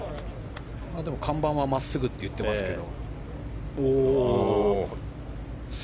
看板は真っすぐって言ってますけど。